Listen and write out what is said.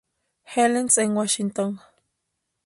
Helens en Washington.